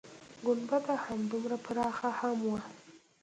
گنبده همدومره پراخه هم وه.